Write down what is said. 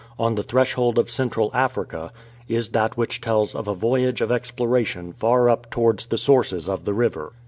On the Thresh old of Central Africa, is that which tells of a voyage of exploration far up towards the sources of the river.